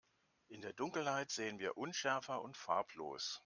In der Dunkelheit sehen wir unschärfer und farblos.